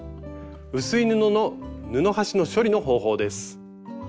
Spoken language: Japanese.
薄い布の布端の処理の方法です。